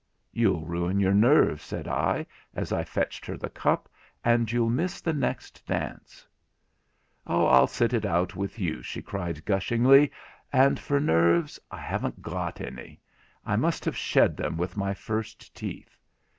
'You'll ruin your nerves,' said I, as I fetched her the cup, 'and you'll miss the next dance.' 'I'll sit it out with you,' she cried gushingly; 'and as for nerves, I haven't got any; I must have shed them with my first teeth.